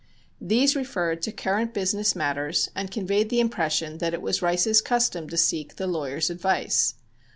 These referred to current business matters and conveyed the impression that it was Rice's custom to seek the lawyer's advice.